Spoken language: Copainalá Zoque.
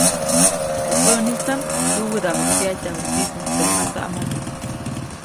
Teʼ päʼnistaʼm wäwädaʼmʼuŋ pyaʼtyaju tsitsuuŋ teʼ mäjatsaʼmomo.